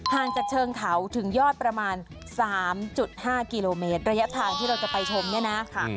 จากเชิงเขาถึงยอดประมาณ๓๕กิโลเมตรระยะทางที่เราจะไปชมเนี่ยนะ